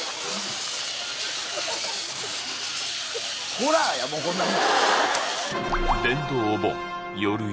ホラーやもうこんなん。